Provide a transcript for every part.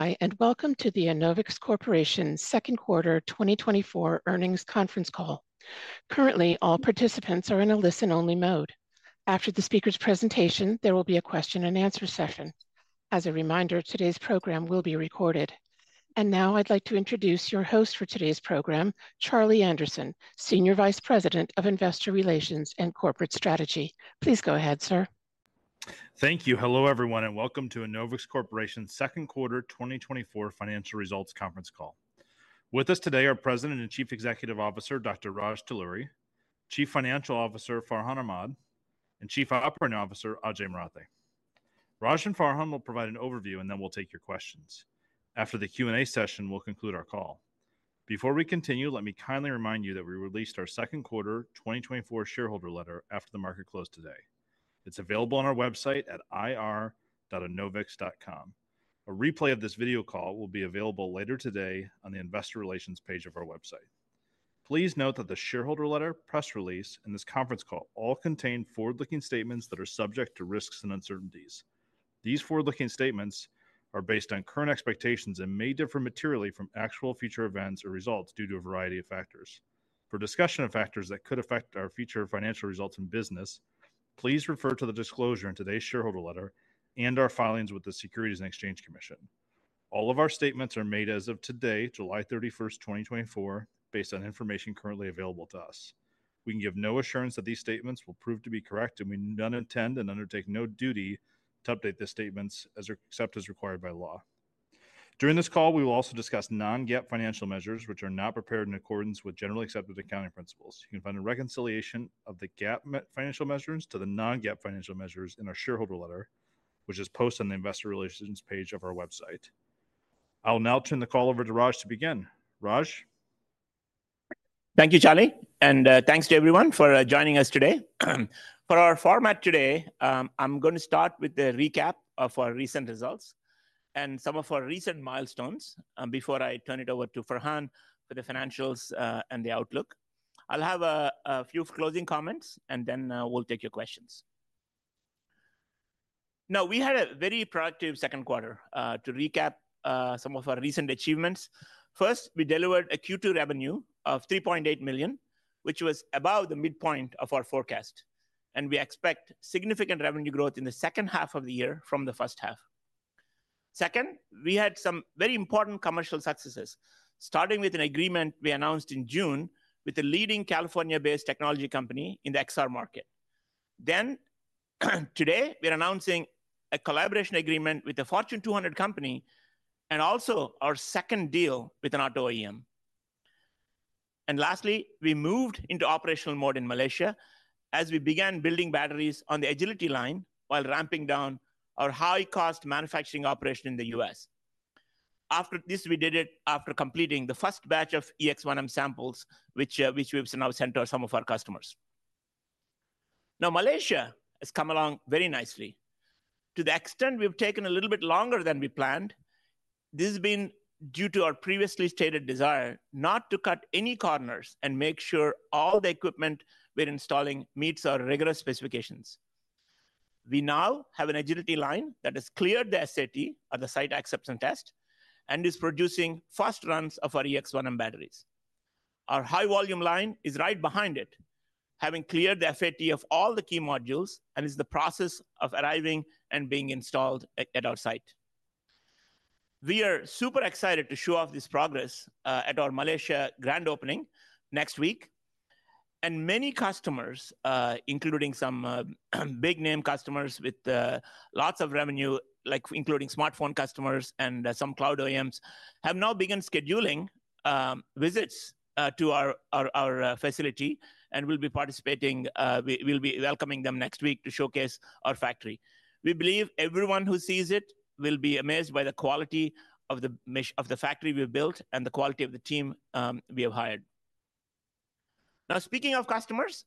Hi, and welcome to the Enovix Corporation's Second Quarter 2024 Earnings Conference Call. Currently, all participants are in a listen-only mode. After the speaker's presentation, there will be a question and answer session. As a reminder, today's program will be recorded. Now I'd like to introduce your host for today's program, Charlie Anderson, Senior Vice President of Investor Relations and Corporate Strategy. Please go ahead, sir. Thank you. Hello, everyone, and welcome to Enovix Corporation's second quarter 2024 financial results conference call. With us today are President and Chief Executive Officer, Dr. Raj Talluri, Chief Financial Officer, Farhan Ahmad, and Chief Operating Officer, Ajay Marathe. Raj and Farhan will provide an overview, and then we'll take your questions. After the Q&A session, we'll conclude our call. Before we continue, let me kindly remind you that we released our second quarter 2024 shareholder letter after the market closed today. It's available on our website at ir.enovix.com. A replay of this video call will be available later today on the Investor Relations page of our website. Please note that the shareholder letter, press release, and this conference call all contain forward-looking statements that are subject to risks and uncertainties. These forward-looking statements are based on current expectations and may differ materially from actual future events or results due to a variety of factors. For discussion of factors that could affect our future financial results and business, please refer to the disclosure in today's shareholder letter and our filings with the Securities and Exchange Commission. All of our statements are made as of today, July 31st, 2024, based on information currently available to us. We can give no assurance that these statements will prove to be correct, and we do not intend and undertake no duty to update the statements except as required by law. During this call, we will also discuss non-GAAP financial measures, which are not prepared in accordance with generally accepted accounting principles. You can find a reconciliation of the GAAP financial measures to the non-GAAP financial measures in our shareholder letter, which is posted on the Investor Relations page of our website. I'll now turn the call over to Raj to begin. Raj? Thank you, Charlie, and thanks to everyone for joining us today. For our format today, I'm gonna start with a recap of our recent results and some of our recent milestones, before I turn it over to Farhan for the financials, and the outlook. I'll have a few closing comments, and then we'll take your questions. Now, we had a very productive second quarter. To recap, some of our recent achievements, first, we delivered a Q2 revenue of $3.8 million, which was above the midpoint of our forecast, and we expect significant revenue growth in the second half of the year from the first half. Second, we had some very important commercial successes, starting with an agreement we announced in June with a leading California-based technology company in the XR market. Then, today, we are announcing a collaboration agreement with a Fortune 200 company and also our second deal with an auto OEM. And lastly, we moved into operational mode in Malaysia as we began building batteries on the Agility Line while ramping down our high-cost manufacturing operation in the U.S. After this, after completing the first batch of EX-1M samples, which we've now sent to some of our customers. Now, Malaysia has come along very nicely. To the extent we've taken a little bit longer than we planned, this has been due to our previously stated desire not to cut any corners and make sure all the equipment we're installing meets our rigorous specifications. We now have an Agility Line that has cleared the SAT, or the Site Acceptance Test, and is producing first runs of our EX-1M batteries. Our high-volume line is right behind it, having cleared the FAT of all the key modules and is in the process of arriving and being installed at our site. We are super excited to show off this progress at our Malaysia grand opening next week, and many customers, including some big-name customers with lots of revenue, like including smartphone customers and some cloud OEMs, have now begun scheduling visits to our facility, and we'll be welcoming them next week to showcase our factory. We believe everyone who sees it will be amazed by the quality of the factory we've built and the quality of the team we have hired. Now, speaking of customers,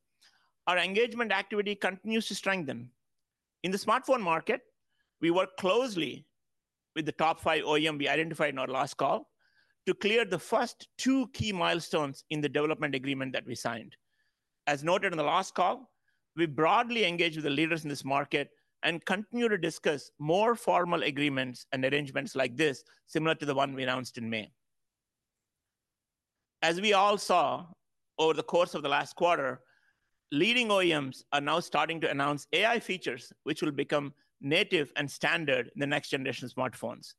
our engagement activity continues to strengthen. In the smartphone market, we work closely with the top five OEMs we identified in our last call to clear the first two key milestones in the development agreement that we signed. As noted in the last call, we broadly engage with the leaders in this market and continue to discuss more formal agreements and arrangements like this, similar to the one we announced in May. As we all saw over the course of the last quarter, leading OEMs are now starting to announce AI features, which will become native and standard in the next generation smartphones.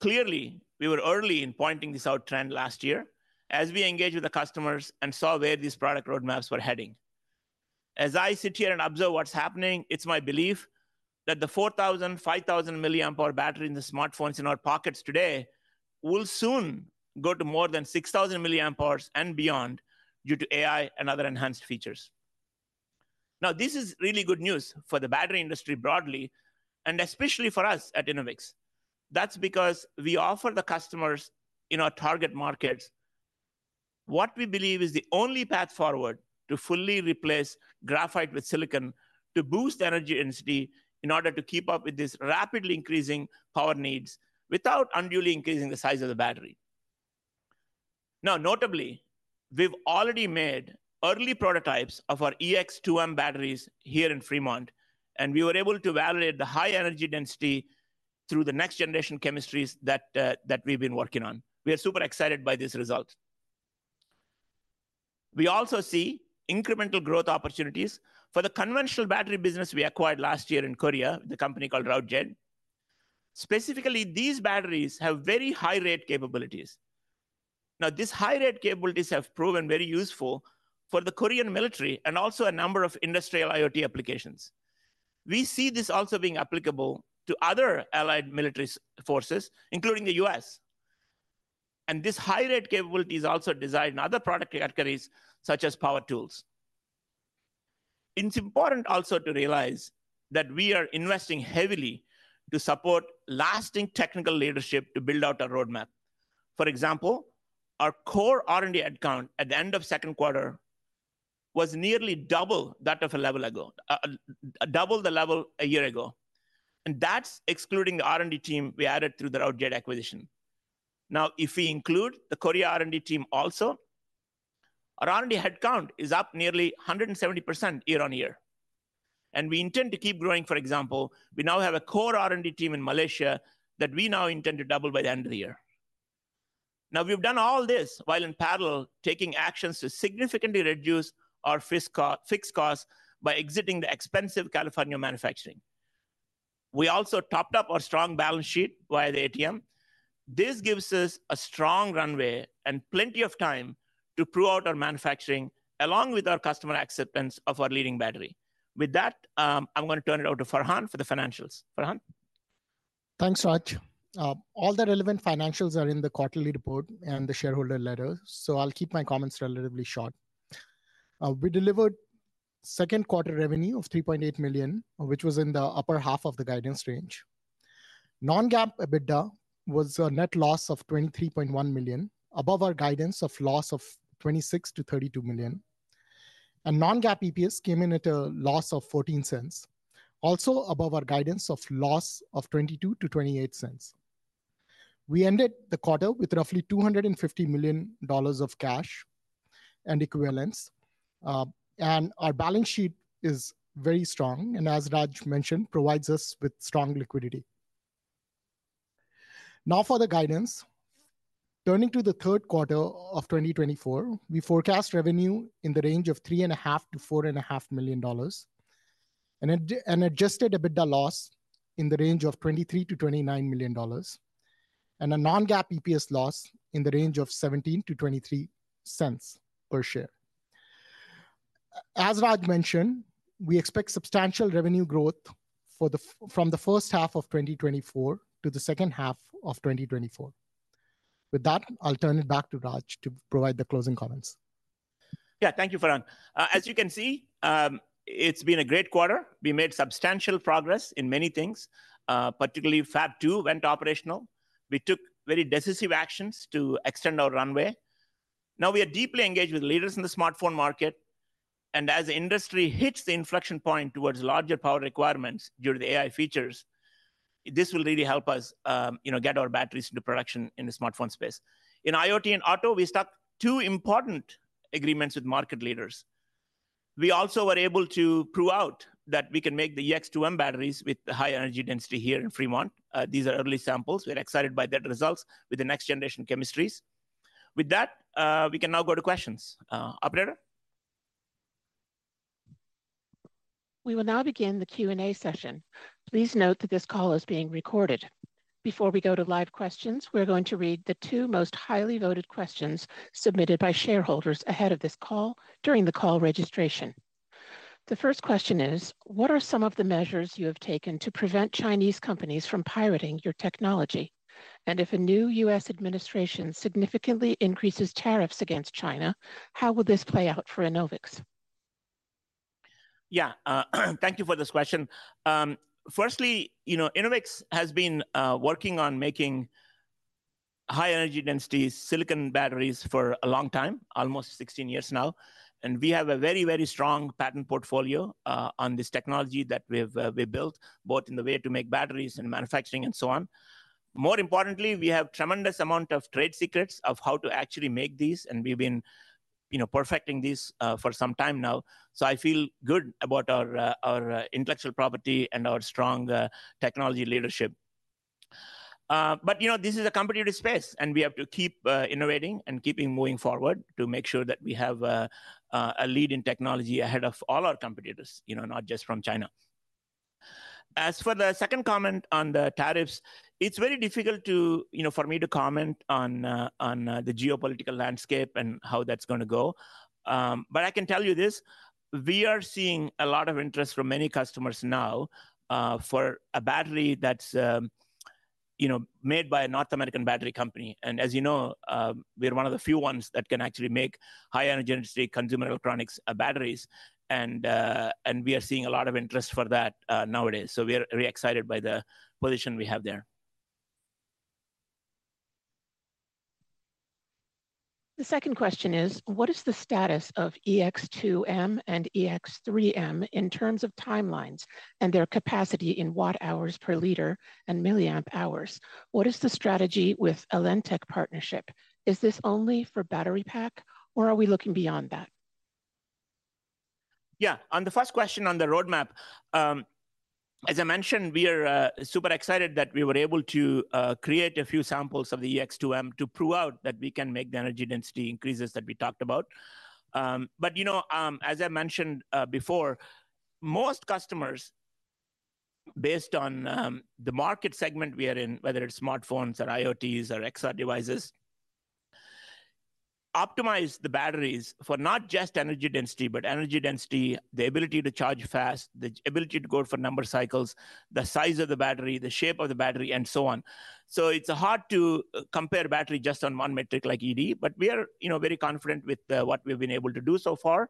Clearly, we were early in pointing out this trend last year as we engaged with the customers and saw where these product roadmaps were heading. As I sit here and observe what's happening, it's my belief that the 4,000-5,000 milliampere hour battery in the smartphones in our pockets today will soon go to more than 6,000 milliampere hours and beyond due to AI and other enhanced features. Now, this is really good news for the battery industry broadly, and especially for us at Enovix. That's because we offer the customers in our target markets what we believe is the only path forward to fully replace graphite with silicon to boost energy density in order to keep up with this rapidly increasing power needs without unduly increasing the size of the battery. Now, notably, we've already made early prototypes of our EX2M batteries here in Fremont, and we were able to validate the high energy density through the next generation chemistries that, that we've been working on. We are super excited by this result. We also see incremental growth opportunities for the conventional battery business we acquired last year in Korea, the company called Routejade. Specifically, these batteries have very high rate capabilities. Now, these high rate capabilities have proven very useful for the Korean military and also a number of industrial IoT applications. We see this also being applicable to other allied military forces, including the U.S. This high rate capability is also designed in other product categories, such as power tools. It's important also to realize that we are investing heavily to support lasting technical leadership to build out our roadmap. For example, our core R&D headcount at the end of second quarter was nearly double that of a level ago, double the level a year ago, and that's excluding the R&D team we added through the Routejade acquisition. Now, if we include the Korea R&D team also, our R&D headcount is up nearly 170% year-on-year, and we intend to keep growing. For example, we now have a core R&D team in Malaysia that we now intend to double by the end of the year. Now, we've done all this while in parallel, taking actions to significantly reduce our fixed costs by exiting the expensive California manufacturing. We also topped up our strong balance sheet via the ATM. This gives us a strong runway and plenty of time to prove out our manufacturing, along with our customer acceptance of our leading battery. With that, I'm going to turn it over to Farhan for the financials. Farhan? Thanks, Raj. All the relevant financials are in the quarterly report and the shareholder letter, so I'll keep my comments relatively short. We delivered second quarter revenue of $3.8 million, which was in the upper half of the guidance range. Non-GAAP EBITDA was a net loss of $23.1 million, above our guidance of loss of $26 million-$32 million. And non-GAAP EPS came in at a loss of $0.14, also above our guidance of loss of $0.22-$0.28. We ended the quarter with roughly $250 million of cash and equivalents, and our balance sheet is very strong, and as Raj mentioned, provides us with strong liquidity. Now for the guidance. Turning to the third quarter of 2024, we forecast revenue in the range of $3.5 million-$4.5 million, and an adjusted EBITDA loss in the range of $23 million-$29 million, and a non-GAAP EPS loss in the range of $0.17-$0.23 per share. As Raj mentioned, we expect substantial revenue growth from the first half of 2024 to the second half of 2024. With that, I'll turn it back to Raj to provide the closing comments. Yeah. Thank you, Farhan. As you can see, it's been a great quarter. We made substantial progress in many things, particularly, Fab2 went operational. We took very decisive actions to extend our runway. Now we are deeply engaged with leaders in the smartphone market, and as the industry hits the inflection point towards larger power requirements due to the AI features, this will really help us, you know, get our batteries into production in the smartphone space. In IoT and auto, we struck two important agreements with market leaders. We also were able to prove out that we can make the EX-2M batteries with the high energy density here in Fremont. These are early samples. We're excited by that results with the next generation chemistries. With that, we can now go to questions. Operator? We will now begin the Q&A session. Please note that this call is being recorded. Before we go to live questions, we're going to read the two most highly voted questions submitted by shareholders ahead of this call during the call registration. The first question is: what are some of the measures you have taken to prevent Chinese companies from pirating your technology? And if a new U.S. administration significantly increases tariffs against China, how will this play out for Enovix? Yeah, thank you for this question. Firstly, you know, Enovix has been working on making high energy density silicon batteries for a long time, almost 16 years now, and we have a very, very strong patent portfolio on this technology that we've built, both in the way to make batteries and manufacturing and so on. More importantly, we have tremendous amount of trade secrets of how to actually make these, and we've been, you know, perfecting this for some time now. So I feel good about our intellectual property and our strong technology leadership. But, you know, this is a competitive space, and we have to keep innovating and keeping moving forward to make sure that we have a lead in technology ahead of all our competitors, you know, not just from China. As for the second comment on the tariffs, it's very difficult to, you know, for me to comment on the geopolitical landscape and how that's gonna go. But I can tell you this: we are seeing a lot of interest from many customers now for a battery that's, you know, made by a North American battery company. And as you know, we are one of the few ones that can actually make high energy density consumer electronics batteries, and we are seeing a lot of interest for that nowadays. So we are very excited by the position we have there. The second question is: What is the status of EX-2M and EX-3M in terms of timelines and their capacity in watt-hours per liter and milliamp hours? What is the strategy with Elentec partnership? Is this only for battery pack, or are we looking beyond that? Yeah, on the first question on the roadmap, as I mentioned, we are super excited that we were able to create a few samples of the EX-2M to prove out that we can make the energy density increases that we talked about. But, you know, as I mentioned before, most customers, based on the market segment we are in, whether it's smartphones or IoTs or XR devices, optimize the batteries for not just energy density, but energy density, the ability to charge fast, the ability to go for number of cycles, the size of the battery, the shape of the battery, and so on. So it's hard to compare battery just on one metric like ED, but we are, you know, very confident with what we've been able to do so far.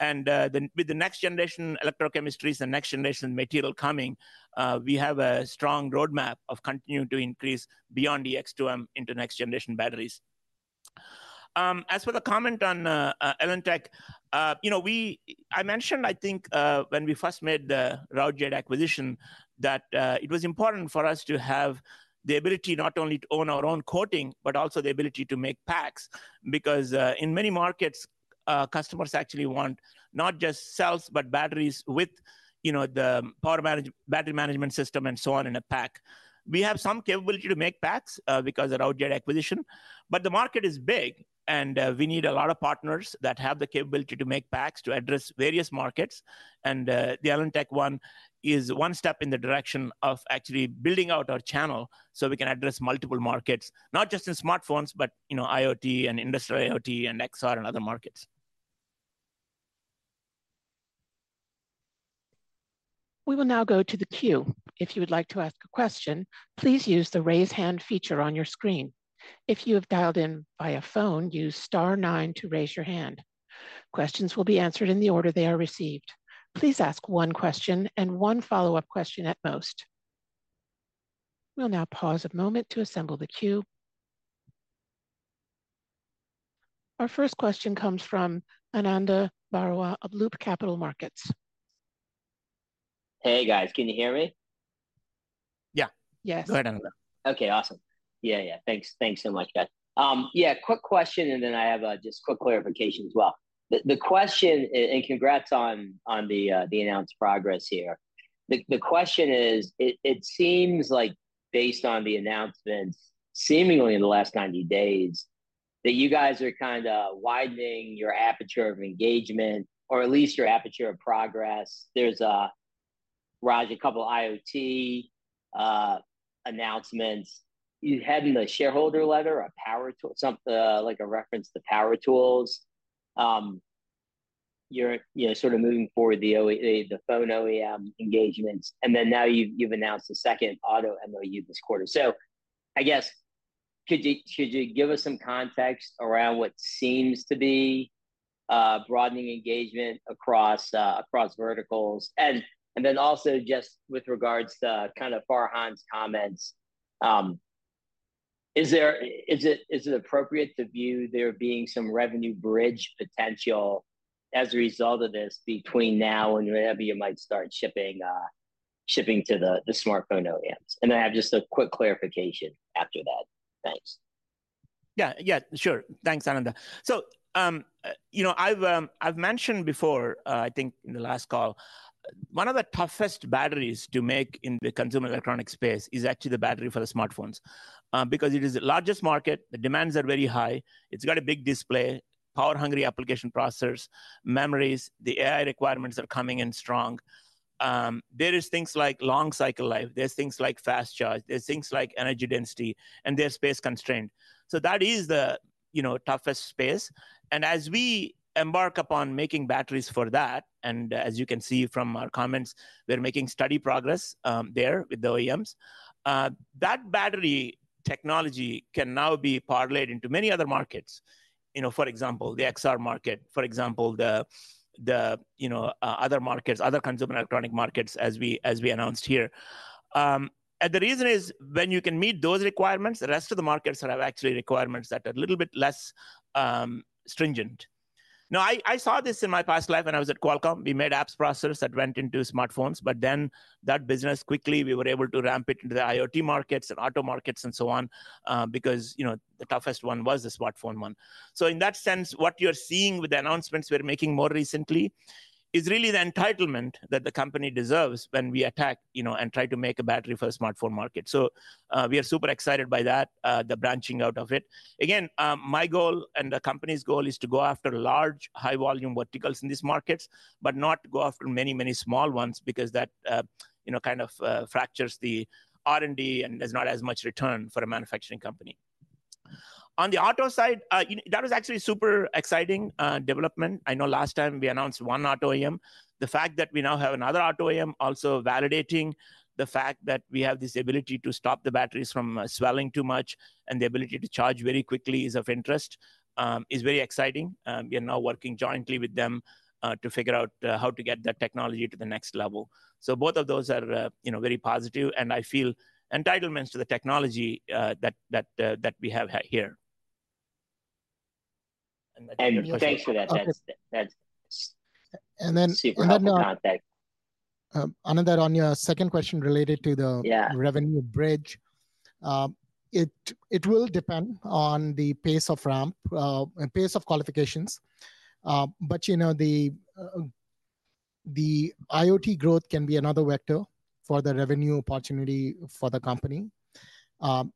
With the next generation electrochemistries and next generation material coming, we have a strong roadmap of continuing to increase beyond the EX-2M into next generation batteries. As for the comment on Elentec, you know, I mentioned, I think, when we first made the Routejade acquisition, that it was important for us to have the ability not only to own our own coating, but also the ability to make packs. Because in many markets, customers actually want not just cells, but batteries with, you know, the power management battery management system and so on in a pack. We have some capability to make packs because of our Routejade acquisition, but the market is big, and we need a lot of partners that have the capability to make packs to address various markets. The Elentec one is one step in the direction of actually building out our channel so we can address multiple markets, not just in smartphones, but, you know, IoT and industrial IoT and XR and other markets. We will now go to the queue. If you would like to ask a question, please use the Raise Hand feature on your screen. If you have dialed in via phone, use star nine to raise your hand. Questions will be answered in the order they are received. Please ask one question and one follow-up question at most. We'll now pause a moment to assemble the queue. Our first question comes from Ananda Baruah of Loop Capital Markets. Hey, guys. Can you hear me? Yeah. Yes. Go ahead, Ananda. Okay, awesome. Yeah, yeah, thanks. Thanks so much, guys. Yeah, quick question, and then I have just quick clarification as well. The question and congrats on the announced progress here. The question is, it seems like based on the announcements, seemingly in the last 90 days, that you guys are kinda widening your aperture of engagement, or at least your aperture of progress. There's Raj, a couple of IoT announcements. You had in the shareholder letter, a power tool, like a reference to power tools. You're, you know, sort of moving forward the phone OEM engagements, and then now you've announced a second auto MOU this quarter. So I guess, could you give us some context around what seems to be broadening engagement across verticals? And then also just with regards to kind of Farhan's comments, is there... Is it appropriate to view there being some revenue bridge potential as a result of this between now and whenever you might start shipping to the smartphone OEMs? And then I have just a quick clarification after that. Thanks. Yeah. Yeah, sure. Thanks, Ananda. So, you know, I've mentioned before, I think in the last call, one of the toughest batteries to make in the consumer electronic space is actually the battery for the smartphones. Because it is the largest market, the demands are very high, it's got a big display, power-hungry application processors, memories, the AI requirements are coming in strong. There is things like long cycle life, there's things like fast charge, there's things like energy density, and they're space-constrained. So that is the, you know, toughest space. And as we embark upon making batteries for that, and as you can see from our comments, we're making steady progress, there with the OEMs. That battery technology can now be parlayed into many other markets, you know, for example, the XR market, for example, the you know, other markets, other consumer electronic markets, as we announced here. And the reason is, when you can meet those requirements, the rest of the markets have actually requirements that are a little bit less stringent. Now, I saw this in my past life when I was at Qualcomm. We made apps processors that went into smartphones, but then that business, quickly, we were able to ramp it into the IoT markets and auto markets and so on, because, you know, the toughest one was the smartphone one. So in that sense, what you're seeing with the announcements we're making more recently is really the entitlement that the company deserves when we attack, you know, and try to make a battery for a smartphone market. So, we are super excited by that, the branching out of it. Again, my goal and the company's goal is to go after large, high-volume verticals in these markets, but not go after many, many small ones, because that, you know, kind of, fractures the R&D, and there's not as much return for a manufacturing company. On the auto side, you know, that was actually super exciting, development. I know last time we announced one auto OEM. The fact that we now have another auto OEM also validating the fact that we have this ability to stop the batteries from swelling too much and the ability to charge very quickly is of interest, is very exciting. We are now working jointly with them to figure out how to get that technology to the next level. So both of those are, you know, very positive, and I feel entitlements to the technology that we have here. And thanks for that. That's- And then- - See if I have the context.... Ananda, on your second question related to the- Yeah Revenue bridge, it will depend on the pace of ramp and pace of qualifications. You know, the IoT growth can be another vector for the revenue opportunity for the company.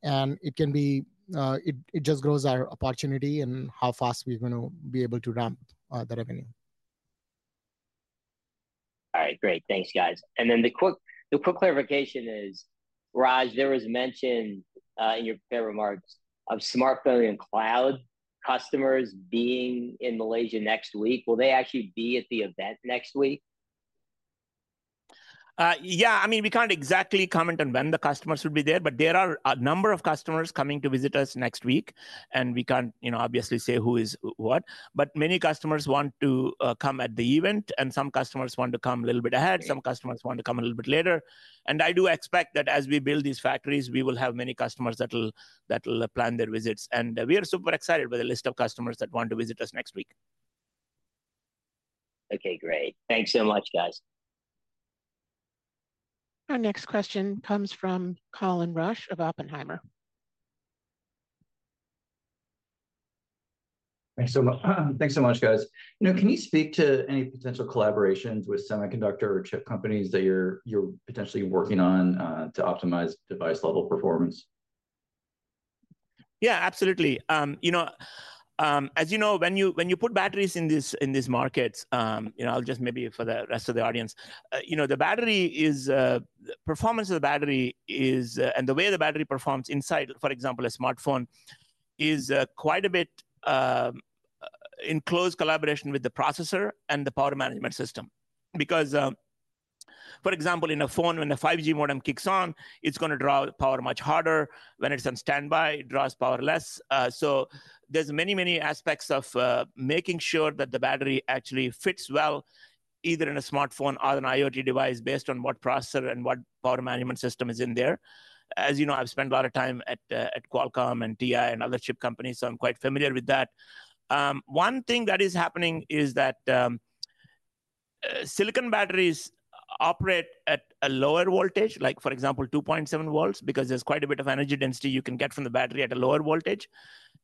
It can be, it just grows our opportunity and how fast we're going to be able to ramp the revenue. All right, great. Thanks, guys. And then the quick, the quick clarification is, Raj, there was mention in your prepared remarks of smartphone and cloud customers being in Malaysia next week. Will they actually be at the event next week? Yeah, I mean, we can't exactly comment on when the customers will be there, but there are a number of customers coming to visit us next week, and we can't, you know, obviously say who is what. But many customers want to come at the event, and some customers want to come a little bit ahead- Great... some customers want to come a little bit later. I do expect that as we build these factories, we will have many customers that'll plan their visits. We are super excited with the list of customers that want to visit us next week. Okay, great. Thanks so much, guys. Our next question comes from Colin Rusch of Oppenheimer. Thanks so much, guys. You know, can you speak to any potential collaborations with semiconductor or chip companies that you're potentially working on to optimize device-level performance? Yeah, absolutely. You know, as you know, when you put batteries in these markets, you know, I'll just maybe for the rest of the audience. You know, the battery is performance of the battery is and the way the battery performs inside, for example, a smartphone, is quite a bit in close collaboration with the processor and the power management system. Because, for example, in a phone, when the 5G modem kicks on, it's going to draw power much harder. When it's on standby, it draws power less. So there's many, many aspects of making sure that the battery actually fits well, either in a smartphone or an IoT device, based on what processor and what power management system is in there. As you know, I've spent a lot of time at Qualcomm and TI and other chip companies, so I'm quite familiar with that. One thing that is happening is that silicon batteries operate at a lower voltage, like, for example, 2.7 volts, because there's quite a bit of energy density you can get from the battery at a lower voltage.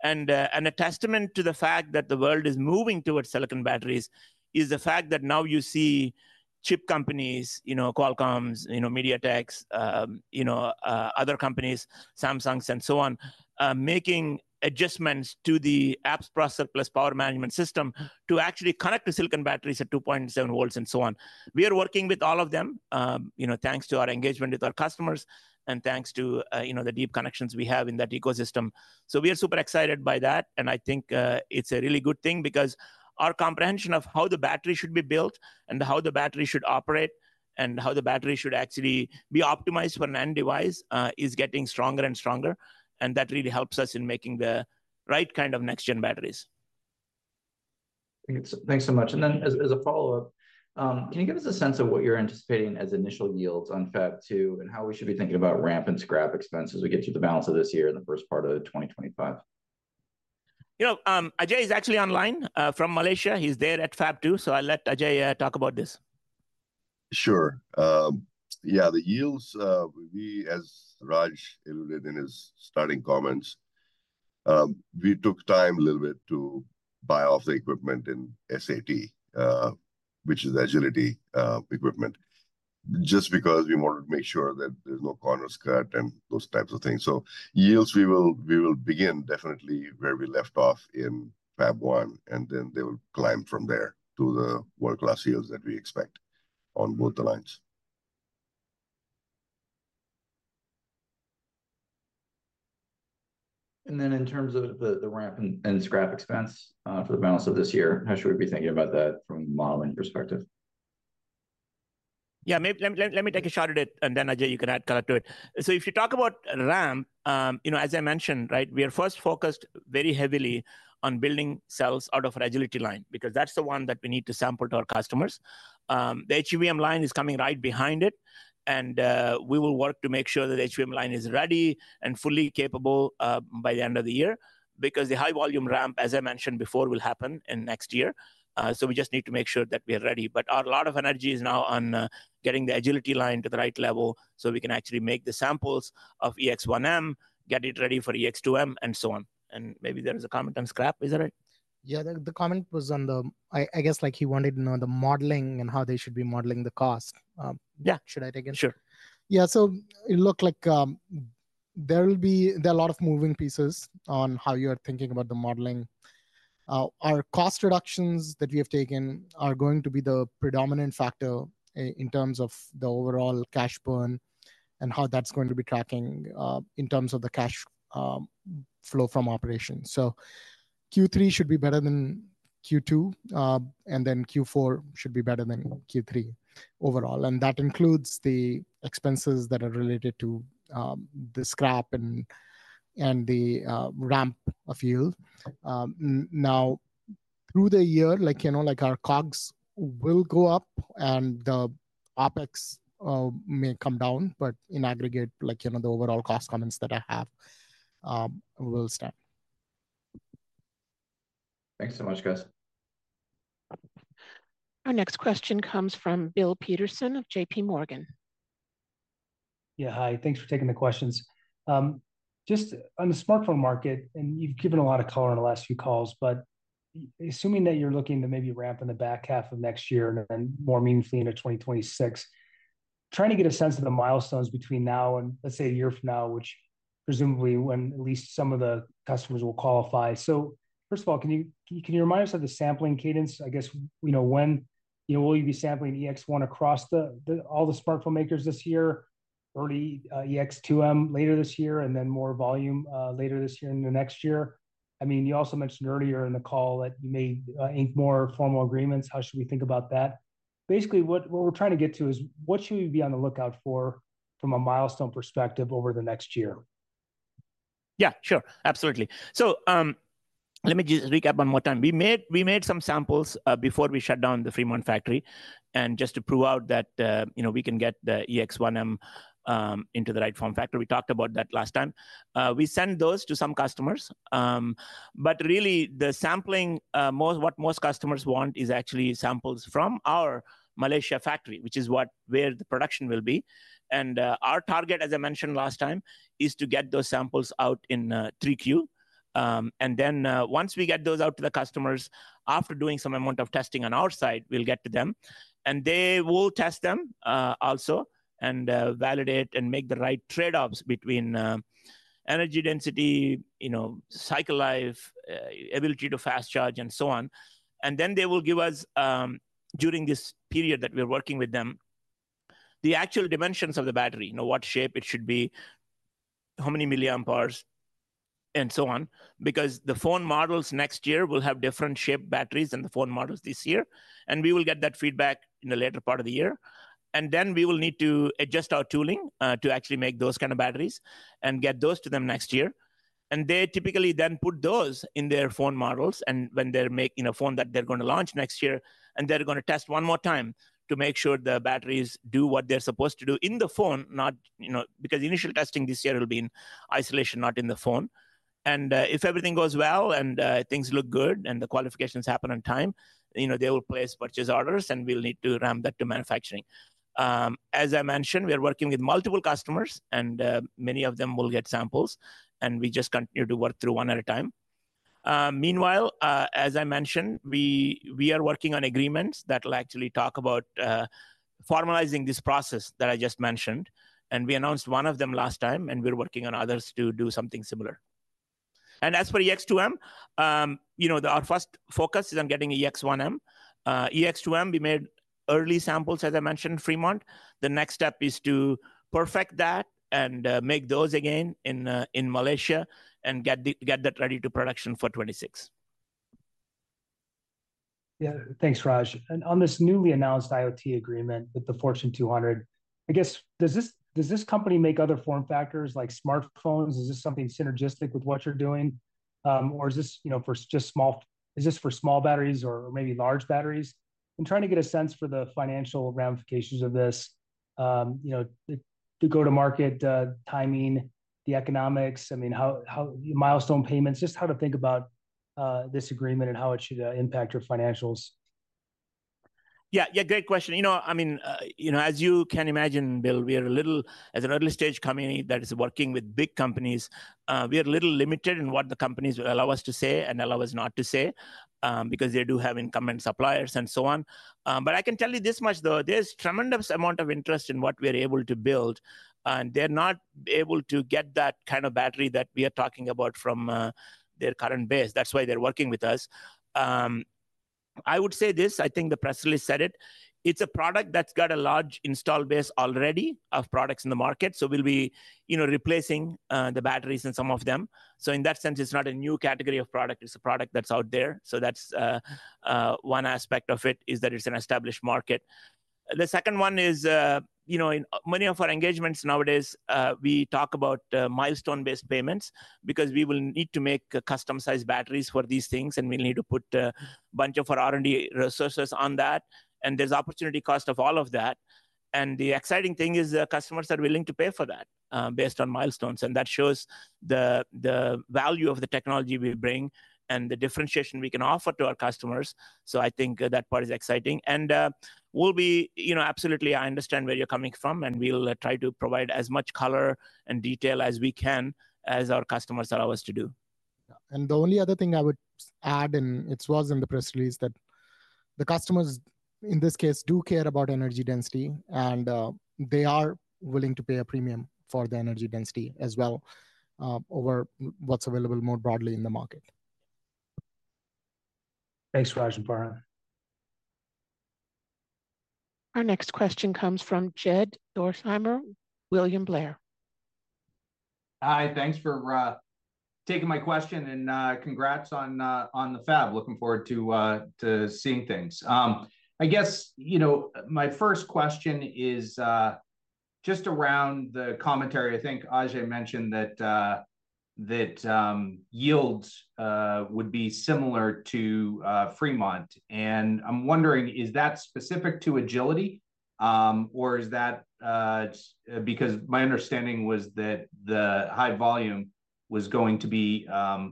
A testament to the fact that the world is moving towards silicon batteries is the fact that now you see chip companies, you know, Qualcomm's, you know, MediaTek's, you know, other companies, Samsung's and so on, making adjustments to the apps processor plus power management system to actually connect the silicon batteries at 2.7 volts and so on. We are working with all of them, you know, thanks to our engagement with our customers and thanks to, you know, the deep connections we have in that ecosystem. So we are super excited by that, and I think, it's a really good thing, because our comprehension of how the battery should be built and how the battery should operate and how the battery should actually be optimized for an end device, is getting stronger and stronger, and that really helps us in making the right kind of next-gen batteries. Thank you. Thanks so much. And then as a follow-up, can you give us a sense of what you're anticipating as initial yields on Fab2, and how we should be thinking about ramp and scrap expenses as we get through the balance of this year and the first part of 2025? You know, Ajay is actually online from Malaysia. He's there at Fab2, so I'll let Ajay talk about this. Sure. Yeah, the yields, we, as Raj alluded in his starting comments, we took time a little bit to buy off the equipment in SAT, which is Agility equipment, just because we wanted to make sure that there's no corners cut and those types of things. So yields, we will, we will begin definitely where we left off in Fab1, and then they will climb from there to the world-class yields that we expect on both the lines. And then in terms of the ramp and scrap expense, for the balance of this year, how should we be thinking about that from a modeling perspective? Yeah, let me, let me take a shot at it, and then, Ajay, you can add color to it. So if you talk about ramp, you know, as I mentioned, right, we are first focused very heavily on building cells out of Agility Line, because that's the one that we need to sample to our customers. The HVM line is coming right behind it, and we will work to make sure that the HVM line is ready and fully capable by the end of the year, because the high volume ramp, as I mentioned before, will happen in next year. So we just need to make sure that we are ready. A lot of energy is now on getting the Agility Line to the right level, so we can actually make the samples of EX-1M, get it ready for EX-2M, and so on. Maybe there is a comment on scrap, is that right? Yeah, the comment was on the... I guess, like, he wanted to know the modeling and how they should be modeling the cost. Yeah. Should I take it? Sure. Yeah, so it look like, there will be, there are a lot of moving pieces on how you are thinking about the modeling. Our cost reductions that we have taken are going to be the predominant factor in terms of the overall cash burn and how that's going to be tracking, in terms of the cash flow from operations. So Q3 should be better than Q2, and then Q4 should be better than Q3 overall, and that includes the expenses that are related to, the scrap and, and the, ramp of yield. Now, through the year, like, you know, like our COGS will go up and the OpEx, may come down, but in aggregate, like, you know, the overall cost comments that I have, will stand. Thanks so much, guys. Our next question comes from Bill Peterson of JPMorgan. Yeah, hi. Thanks for taking the questions. Just on the smartphone market, and you've given a lot of color on the last few calls, but assuming that you're looking to maybe ramp in the back half of next year and then more meaningfully into 2026, trying to get a sense of the milestones between now and, let's say, a year from now, which presumably when at least some of the customers will qualify. So first of all, can you, can you remind us of the sampling cadence? I guess, you know, when, you know, will you be sampling EX-1M across the, the, all the smartphone makers this year, early, EX-2M later this year, and then more volume, later this year into next year? I mean, you also mentioned earlier in the call that you may ink more formal agreements. How should we think about that? Basically, what, what we're trying to get to is: what should we be on the lookout for from a milestone perspective over the next year? Yeah, sure. Absolutely. So, let me just recap one more time. We made some samples before we shut down the Fremont factory, and just to prove out that you know, we can get the EX-1M into the right form factor. We talked about that last time. We sent those to some customers. But really, the sampling, what most customers want is actually samples from our Malaysia factory, which is where the production will be. And our target, as I mentioned last time, is to get those samples out in 3Q. And then, once we get those out to the customers, after doing some amount of testing on our side, we'll get to them, and they will test them also, and validate and make the right trade-offs between energy density, you know, cycle life, ability to fast charge, and so on. And then they will give us, during this period that we're working with them, the actual dimensions of the battery, you know, what shape it should be, how many milliamp hours, and so on. Because the phone models next year will have different shaped batteries than the phone models this year, and we will get that feedback in the later part of the year. And then we will need to adjust our tooling to actually make those kind of batteries and get those to them next year. They typically then put those in their phone models, and when they're making a phone that they're gonna launch next year, and they're gonna test one more time to make sure the batteries do what they're supposed to do in the phone, not, you know, because the initial testing this year will be in isolation, not in the phone. If everything goes well, and things look good, and the qualifications happen on time, you know, they will place purchase orders, and we'll need to ramp that to manufacturing. As I mentioned, we are working with multiple customers, and many of them will get samples, and we just continue to work through one at a time. Meanwhile, as I mentioned, we, we are working on agreements that will actually talk about formalizing this process that I just mentioned, and we announced one of them last time, and we're working on others to do something similar. And as for EX-2M, you know, our first focus is on getting EX-1M. EX-2M, we made early samples, as I mentioned, in Fremont. The next step is to perfect that and make those again in Malaysia and get that ready for production in 2026. Yeah. Thanks, Raj. And on this newly announced IoT agreement with the Fortune 200, I guess, does this company make other form factors like smartphones? Is this something synergistic with what you're doing? Or is this, you know, for just small batteries or maybe large batteries? I'm trying to get a sense for the financial ramifications of this, you know, the go-to-market timing, the economics, I mean, how milestone payments, just how to think about this agreement and how it should impact your financials. Yeah, yeah, great question. You know, I mean, you know, as you can imagine, Bill, as an early-stage company that is working with big companies, we are a little limited in what the companies allow us to say and allow us not to say, because they do have incumbent suppliers and so on. But I can tell you this much, though: there's tremendous amount of interest in what we're able to build, and they're not able to get that kind of battery that we are talking about from their current base. That's why they're working with us. I would say this, I think the press release said it: it's a product that's got a large install base already of products in the market, so we'll be, you know, replacing the batteries in some of them. So in that sense, it's not a new category of product, it's a product that's out there, so that's, one aspect of it, is that it's an established market. The second one is, you know, in many of our engagements nowadays, we talk about, milestone-based payments, because we will need to make custom-sized batteries for these things, and we'll need to put a bunch of our R&D resources on that, and there's opportunity cost of all of that. And the exciting thing is that customers are willing to pay for that, based on milestones, and that shows the value of the technology we bring and the differentiation we can offer to our customers, so I think, that part is exciting. And, we'll be... You know, absolutely, I understand where you're coming from, and we'll try to provide as much color and detail as we can, as our customers allow us to do. Yeah. And the only other thing I would add, and it was in the press release, that the customers in this case do care about energy density, and they are willing to pay a premium for the energy density as well, over what's available more broadly in the market. Thanks, Raj and Farhan. Our next question comes from Jed Dorsheimer, William Blair. Hi, thanks for taking my question, and congrats on the Fab. Looking forward to seeing things. I guess, you know, my first question is just around the commentary. I think Ajay mentioned that yields would be similar to Fremont, and I'm wondering: is that specific to Agility? or is that because my understanding was that the high volume was going to be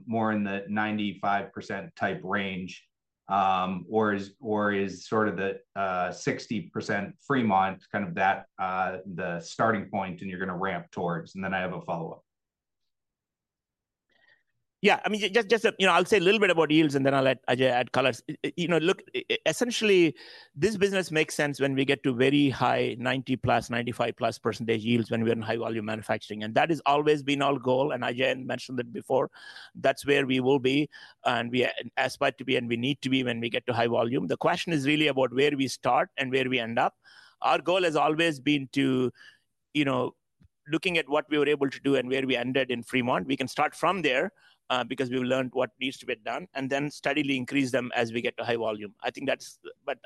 more in the 95% type range. Or is sort of the 60% Fremont kind of the starting point, and you're gonna ramp towards? And then I have a follow-up. Yeah, I mean, just, just, you know, I'll say a little bit about yields, and then I'll let Ajay add colors. You know, look, essentially, this business makes sense when we get to very high 90%+, 95%+ yields when we're in high-volume manufacturing, and that has always been our goal, and Ajay mentioned it before. That's where we will be, and we aspire to be, and we need to be when we get to high volume. The question is really about where we start and where we end up. Our goal has always been to, you know, looking at what we were able to do and where we ended in Fremont, we can start from there, because we've learned what needs to be done, and then steadily increase them as we get to high volume. I think that's...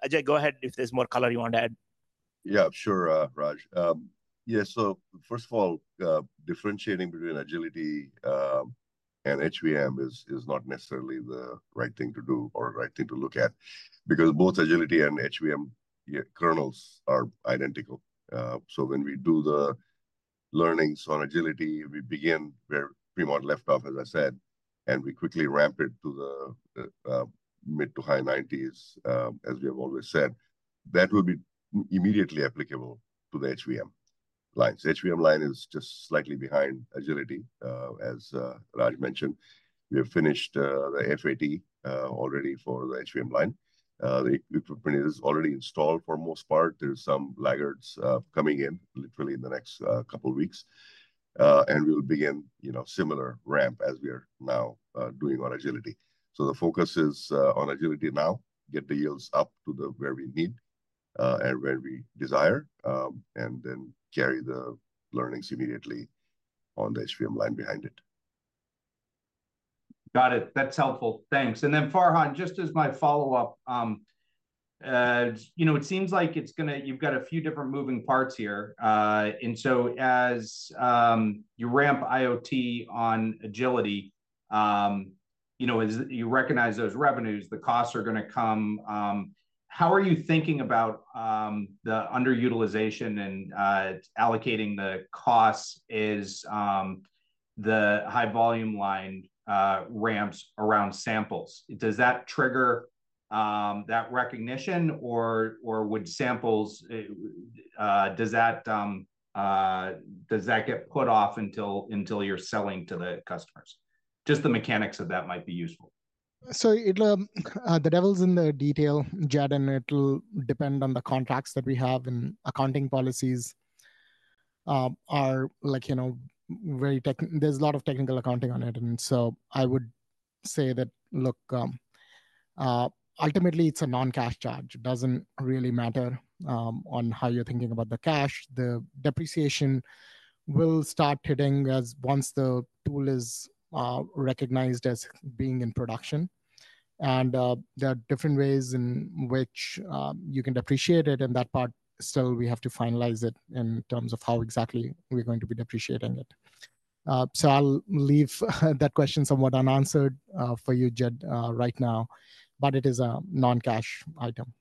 Ajay, go ahead if there's more color you want to add. Yeah, sure, Raj. Yeah, so first of all, differentiating between Agility and HVM is not necessarily the right thing to do or the right thing to look at, because both Agility and HVM kernels are identical. So when we do the learnings on Agility, we begin where Fremont left off, as I said, and we quickly ramp it to the mid- to high 90s, as we have always said. That will be immediately applicable to the HVM lines. The HVM line is just slightly behind Agility. As Raj mentioned, we have finished the FAT already for the HVM line. The equipment is already installed for most part. There's some laggards coming in literally in the next couple of weeks. And we'll begin, you know, similar ramp as we are now doing on Agility. So the focus is on Agility now, get the yields up to the where we need and where we desire, and then carry the learnings immediately on the HVM line behind it. Got it. That's helpful. Thanks. And then, Farhan, just as my follow-up, you know, it seems like it's gonna. You've got a few different moving parts here. And so as you ramp IoT on Agility, you know, as you recognize those revenues, the costs are gonna come, how are you thinking about the underutilization and allocating the costs as the high volume line ramps around samples? Does that trigger that recognition, or would samples, does that get put off until you're selling to the customers? Just the mechanics of that might be useful. So it, the devil's in the detail, Jed, and it'll depend on the contracts that we have, and accounting policies are like, you know, very technical. There's a lot of technical accounting on it. And so I would say that, look, ultimately it's a non-cash charge. It doesn't really matter, on how you're thinking about the cash. The depreciation will start hitting as once the tool is recognized as being in production. And, there are different ways in which, you can depreciate it and that part, so we have to finalize it in terms of how exactly we're going to be depreciating it. So I'll leave that question somewhat unanswered, for you, Jed, right now, but it is a non-cash item.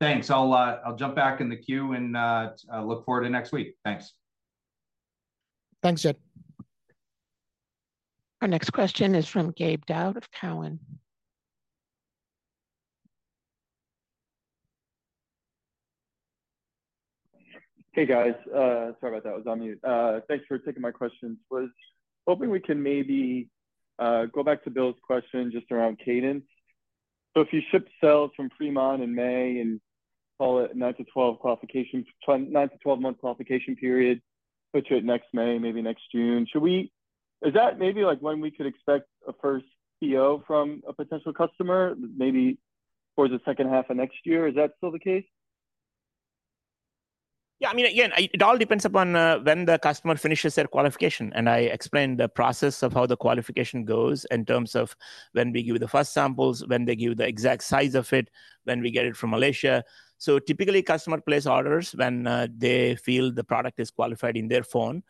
Thanks. I'll jump back in the queue and I look forward to next week. Thanks. Thanks, Jed. Our next question is from Gabe Daoud of Cowen. Hey, guys. Sorry about that, was on mute. Thanks for taking my questions. Was hoping we can maybe go back to Bill's question just around cadence. So if you ship cells from Fremont in May and call it nine to 12 qualification, 10, nine to 12-month qualification period, put you at next May, maybe next June, should we- is that maybe, like, when we could expect a first PO from a potential customer, maybe towards the second half of next year? Is that still the case? Yeah, I mean, again, it, it all depends upon when the customer finishes their qualification, and I explained the process of how the qualification goes in terms of when we give the first samples, when they give the exact size of it, when we get it from Malaysia. So typically, customer place orders when they feel the product is qualified in their phone,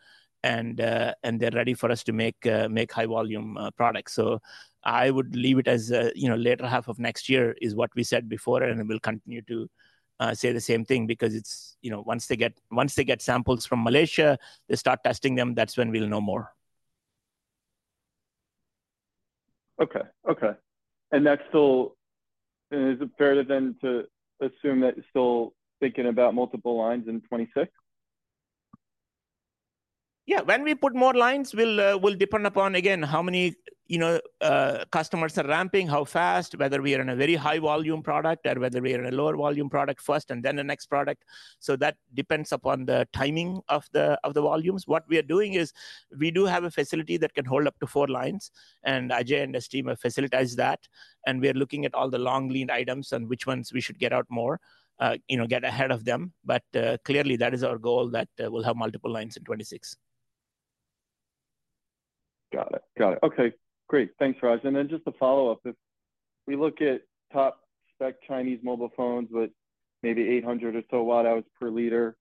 and, and they're ready for us to make, make high-volume, products. So I would leave it as, you know, later half of next year is what we said before, and we'll continue to say the same thing because it's, you know, once they get, once they get samples from Malaysia, they start testing them, that's when we'll know more. Okay, okay. And that's still, is it fair, then, to assume that you're still thinking about multiple lines in 2026? Yeah, when we put more lines, will, will depend upon, again, how many, you know, customers are ramping, how fast, whether we are in a very high-volume product or whether we are in a lower volume product first, and then the next product. So that depends upon the timing of the, of the volumes. What we are doing is we do have a facility that can hold up to four lines, and Ajay and his team have facilitated that, and we are looking at all the long lead items and which ones we should get out more, you know, get ahead of them. But, clearly that is our goal, that, we'll have multiple lines in 2026. Got it. Got it. Okay, great. Thanks, Raj. And then just a follow-up, if we look at top-spec Chinese mobile phones with maybe 800 or so watt-hours per liter.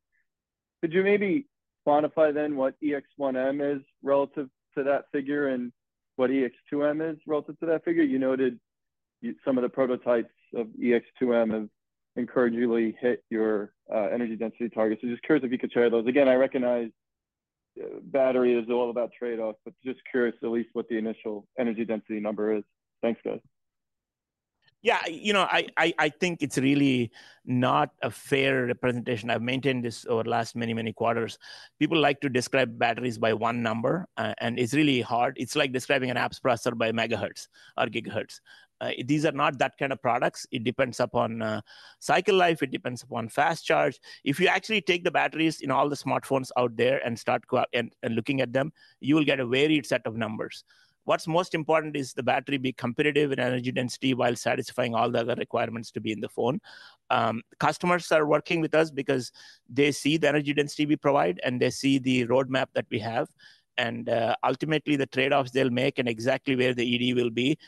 Could you maybe quantify then what EX-1M is relative to that figure, and what EX-2M is relative to that figure? You noted some of the prototypes of EX-2M have encouragingly hit your energy density targets. So just curious if you could share those. Again, I recognize battery is all about trade-off, but just curious at least what the initial energy density number is. Thanks, guys. Yeah, you know, I think it's really not a fair representation. I've maintained this over the last many, many quarters. People like to describe batteries by one number, and it's really hard. It's like describing an apps processor by megahertz or gigahertz. These are not that kind of products. It depends upon cycle life, it depends upon fast charge. If you actually take the batteries in all the smartphones out there and start going out and looking at them, you will get a varied set of numbers. What's most important is the battery be competitive in energy density while satisfying all the other requirements to be in the phone. Customers are working with us because they see the energy density we provide, and they see the roadmap that we have. Ultimately, the trade-offs they'll make and exactly where the ED will be,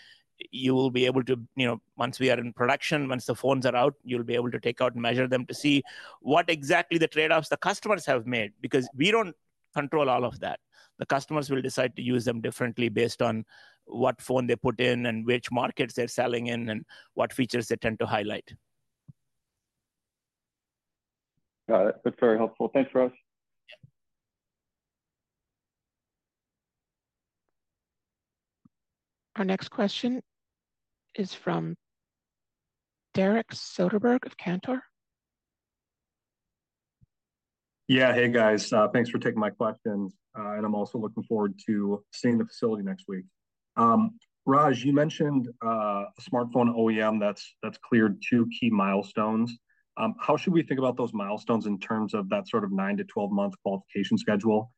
you will be able to, you know, once we are in production, once the phones are out, you'll be able to take out and measure them to see what exactly the trade-offs the customers have made, because we don't control all of that. The customers will decide to use them differently based on what phone they put in and which markets they're selling in, and what features they tend to highlight. That's very helpful. Thanks, Raj. Our next question is from Derek Soderberg of Cantor. Yeah. Hey, guys. Thanks for taking my questions. And I'm also looking forward to seeing the facility next week. Raj, you mentioned a smartphone OEM that's cleared two key milestones. How should we think about those milestones in terms of that sort of nine to 12-month qualification schedule?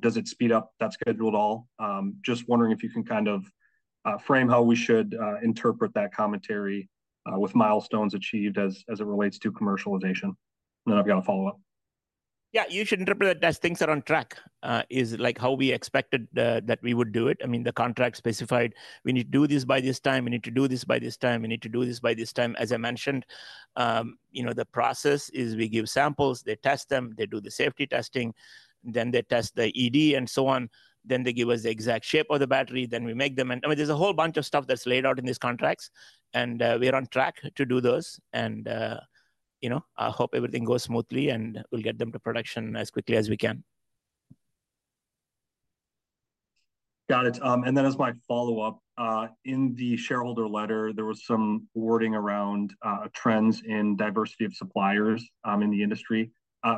Does it speed up that schedule at all? Just wondering if you can kind of frame how we should interpret that commentary with milestones achieved as it relates to commercialization. And then I've got a follow-up. Yeah, you should interpret it as things are on track. Is like how we expected that we would do it. I mean, the contract specified we need to do this by this time, we need to do this by this time, we need to do this by this time. As I mentioned, you know, the process is we give samples, they test them, they do the safety testing, then they test the ED, and so on. Then they give us the exact shape of the battery, then we make them. And, I mean, there's a whole bunch of stuff that's laid out in these contracts, and we are on track to do those. And you know, I hope everything goes smoothly, and we'll get them to production as quickly as we can. Got it. And then as my follow-up, in the shareholder letter, there was some wording around trends in diversity of suppliers in the industry.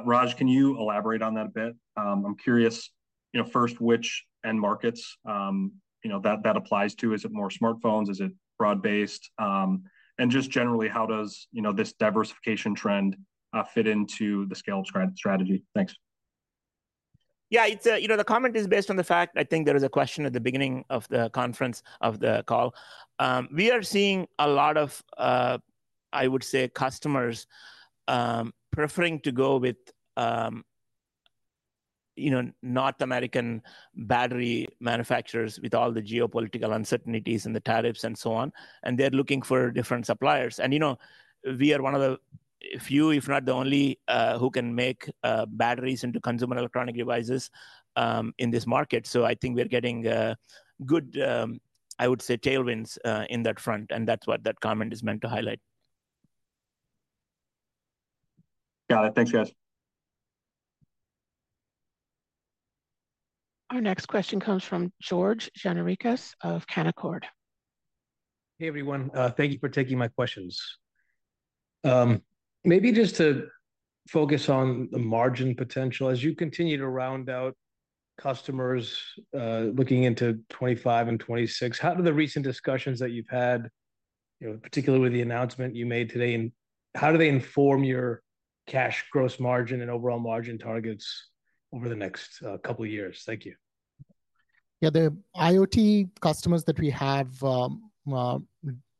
Raj, can you elaborate on that a bit? I'm curious, you know, first, which end markets, you know, that, that applies to? Is it more smartphones? Is it broad-based? And just generally, how does, you know, this diversification trend fit into the scale strategy? Thanks. Yeah, it's, you know, the comment is based on the fact, I think there was a question at the beginning of the conference call. We are seeing a lot of, I would say, customers preferring to go with, you know, North American battery manufacturers with all the geopolitical uncertainties and the tariffs and so on, and they're looking for different suppliers. You know, we are one of the few, if not the only, who can make batteries into consumer electronic devices in this market. So I think we are getting good, I would say, tailwinds in that front, and that's what that comment is meant to highlight. Got it. Thanks, guys. Our next question comes from George Gianarikas of Canaccord. Hey, everyone. Thank you for taking my questions. Maybe just to focus on the margin potential. As you continue to round out customers, looking into 2025 and 2026, how do the recent discussions that you've had, you know, particularly with the announcement you made today, and how do they inform your cash gross margin and overall margin targets over the next couple of years? Thank you. Yeah, the IoT customers that we have,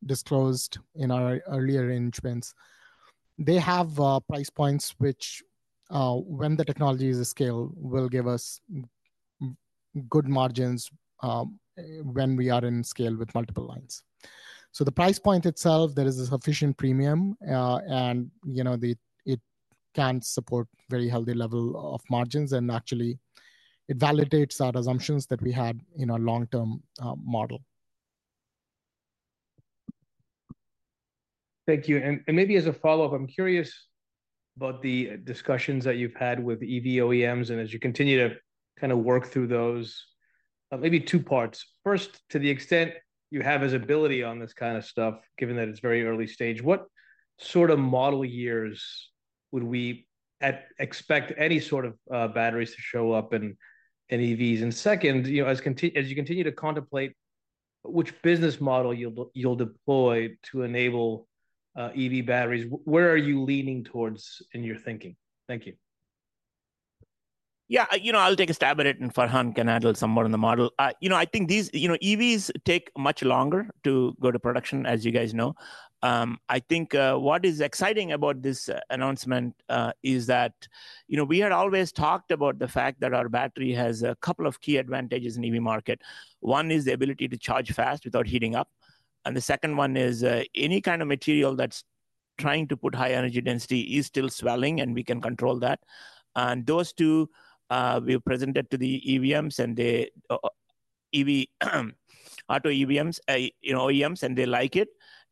disclosed in our earlier arrangements, they have, price points which, when the technology is at scale, will give us good margins, when we are in scale with multiple lines. So the price point itself, there is a sufficient premium, and, you know, the-- it can support very healthy level of margins, and actually it validates our assumptions that we had in our long-term, model. Thank you. And maybe as a follow-up, I'm curious about the discussions that you've had with EV OEMs and as you continue to kind of work through those, maybe two parts. First, to the extent you have visibility on this kind of stuff, given that it's very early stage, what sort of model years would we expect any sort of batteries to show up in EVs? And second, you know, as you continue to contemplate which business model you'll deploy to enable EV batteries, where are you leaning towards in your thinking? Thank you. Yeah, you know, I'll take a stab at it, and Farhan can add a little somewhere in the model. You know, I think these... You know, EVs take much longer to go to production, as you guys know. I think what is exciting about this announcement is that, you know, we had always talked about the fact that our battery has a couple of key advantages in EV market. One is the ability to charge fast without heating up... and the second one is any kind of material that's trying to put high energy density is still swelling, and we can control that. And those two, we've presented to the EV OEMs, and they, EV auto OEMs, you know, OEMs, and they like it,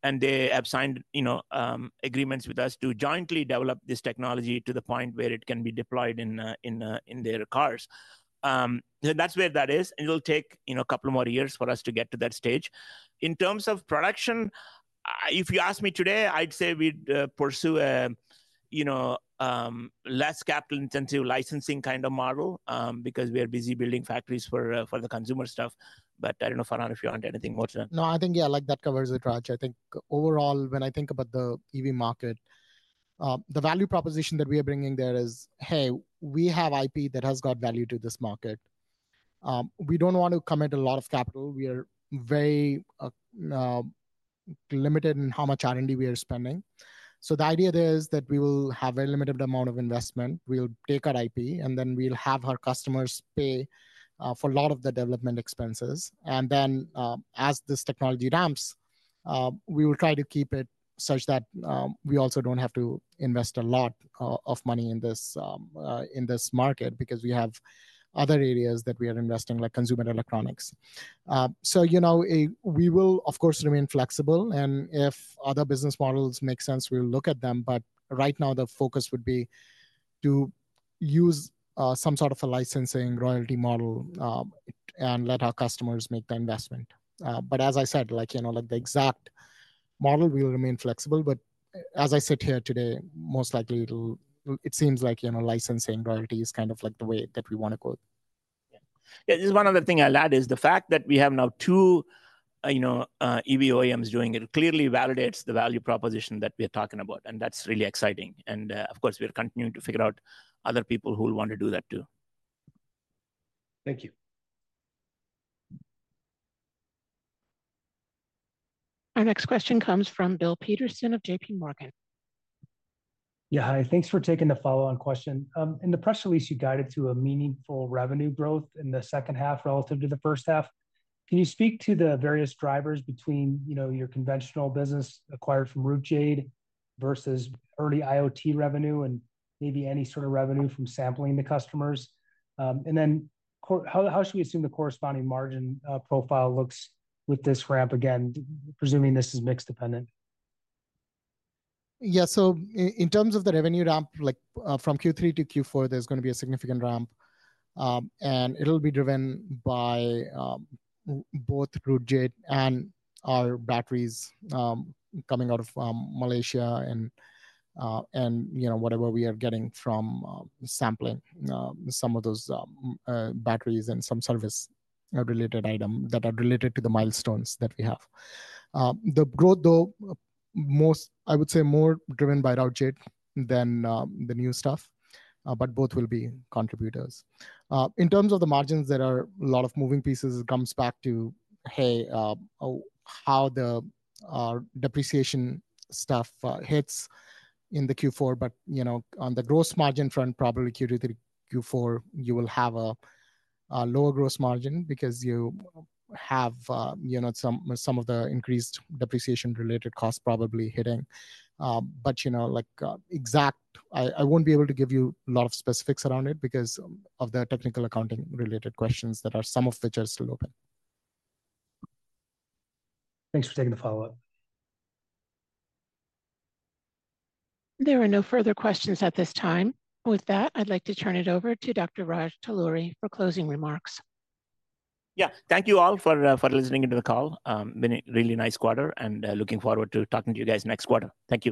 and they have signed, you know, agreements with us to jointly develop this technology to the point where it can be deployed in their cars. That's where that is, and it'll take, you know, a couple more years for us to get to that stage. In terms of production, if you ask me today, I'd say we'd pursue a you know less capital-intensive licensing kind of model, because we are busy building factories for the consumer stuff. But I don't know, Farhan, if you want to add anything more to that? No, I think, yeah, like, that covers it, Raj. I think overall, when I think about the EV market, the value proposition that we are bringing there is, "Hey, we have IP that has got value to this market." We don't want to commit a lot of capital. We are very limited in how much R&D we are spending. So the idea there is that we will have a limited amount of investment. We'll take our IP, and then we'll have our customers pay for a lot of the development expenses. And then, as this technology ramps, we will try to keep it such that we also don't have to invest a lot of money in this market, because we have other areas that we are investing, like consumer electronics. So, you know, we will, of course, remain flexible, and if other business models make sense, we'll look at them. But right now, the focus would be to use some sort of a licensing royalty model, and let our customers make the investment. But as I said, like, you know, like, the exact model will remain flexible, but as I sit here today, most likely it'll... It seems like, you know, licensing royalty is kind of like the way that we want to go. Yeah. Yeah, just one other thing I'll add is the fact that we have now two, you know, EV OEMs doing it, clearly validates the value proposition that we are talking about, and that's really exciting. Of course, we're continuing to figure out other people who will want to do that, too. Thank you. Our next question comes from Bill Peterson of JPMorgan. Yeah, hi. Thanks for taking the follow-on question. In the press release, you guided to a meaningful revenue growth in the second half relative to the first half. Can you speak to the various drivers between, you know, your conventional business acquired from Routejade versus early IoT revenue, and maybe any sort of revenue from sampling the customers? And then how should we assume the corresponding margin profile looks with this ramp, again, presuming this is mixed dependent? Yeah. So in terms of the revenue ramp, like, from Q3 to Q4, there's gonna be a significant ramp, and it'll be driven by both Routejade and our batteries coming out of Malaysia, and, you know, whatever we are getting from sampling some of those batteries and some service related item that are related to the milestones that we have. The growth, though, most, I would say, more driven by Routejade than the new stuff, but both will be contributors. In terms of the margins, there are a lot of moving pieces. It comes back to, hey, how the depreciation stuff hits in the Q4. But, you know, on the gross margin front, probably Q3 to Q4, you will have a lower gross margin because you have, you know, some of the increased depreciation-related costs probably hitting. But, you know, like, exact, I won't be able to give you a lot of specifics around it because of the technical accounting-related questions that are some of which are still open. Thanks for taking the follow-up. There are no further questions at this time. With that, I'd like to turn it over to Dr. Raj Talluri for closing remarks. Yeah. Thank you all for listening into the call. Been a really nice quarter, and looking forward to talking to you guys next quarter. Thank you.